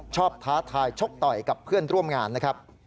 ท้าทายชกต่อยกับเพื่อนร่วมงานนะครับ